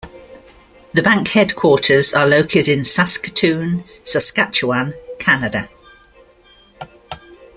The bank headquarters are located in Saskatoon, Saskatchewan, Canada.